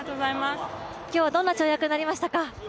今日はどんな跳躍になりましたか？